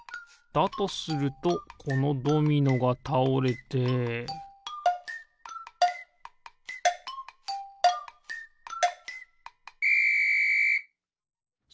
だとするとこのドミノがたおれてピッ！